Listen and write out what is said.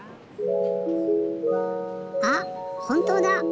あっほんとうだ！